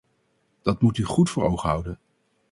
Dat moet u goed voor ogen houden.